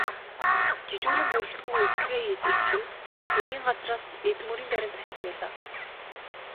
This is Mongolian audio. Жижүүрийн бүрэлдэхүүн үзлэгээ хийж эхлэн хэргийн газраас эд мөрийн баримт хайж байлаа.